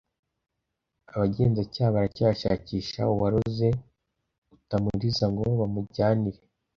. Abagenzacyaha baracyashakisha uwaroze Utamuriza ngo bamujyanire